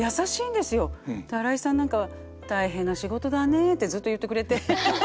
新井さんなんかは「大変な仕事だね」ってずっと言ってくれて。